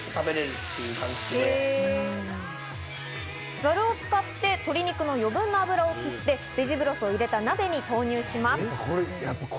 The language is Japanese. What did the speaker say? ザルを使って鶏肉の余分な脂をきってベジブロスを入れた鍋に入れます。